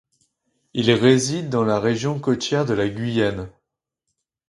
Il réside dans la région côtière de la Guyane.